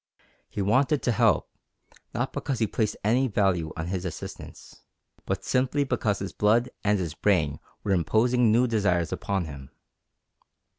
He wanted to help, not because he placed any value on his assistance, but simply because his blood and his brain were imposing new desires upon him.